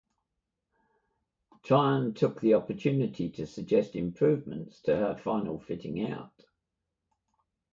Tryon took the opportunity to suggest improvements to her final fitting out.